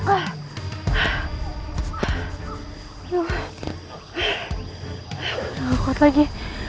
aku takut lagi